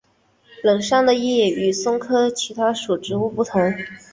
冷杉的叶与松科其他属植物不同。